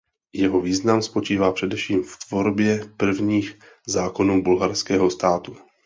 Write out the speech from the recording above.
Jeho význam spočíval především v tvorbě prvních zákonů bulharského státu.